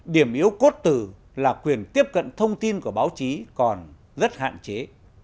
điểm yếu cốt tử là quyền tiếp cận thông tin của báo chí còn rất hạn chế